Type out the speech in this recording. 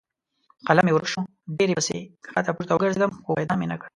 قلم مې ورک شو؛ ډېر پسې کښته پورته وګرځېدم خو پیدا مې نه کړ.